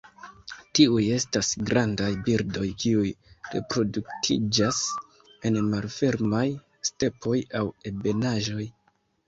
Tiuj estas grandaj birdoj kiuj reproduktiĝas en malfermaj stepoj aŭ ebenaĵoj.